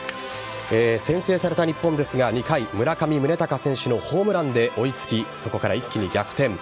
先制された日本ですが２回、村上宗隆選手のホームランで追いつきそこから一気に逆転。